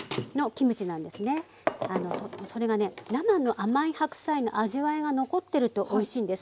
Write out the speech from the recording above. それがね生の甘い白菜の味わいが残ってるとおいしいんです。